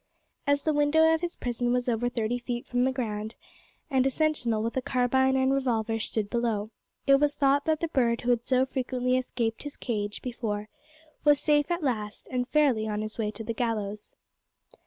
As the window of his prison was over thirty feet from the ground, and a sentinel with a carbine and revolver stood below, it was thought that the bird who had so frequently escaped his cage before was safe at last, and fairly on his way to the gallows.